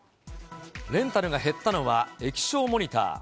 レンタルが減ったのは液晶モニター。